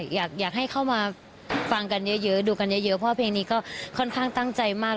อยากให้เข้ามาฟังกันเยอะดูกันเยอะเพราะเพลงนี้ก็ค่อนข้างตั้งใจมาก